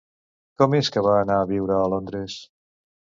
Com és que va anar a viure a Londres?